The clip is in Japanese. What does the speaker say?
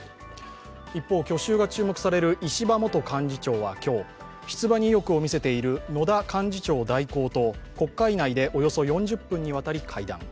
一方、去就が注目される石破元幹事長は今日出馬に意欲を見せている野田幹事長代行と国会内でおよそ４０分にわたり会談。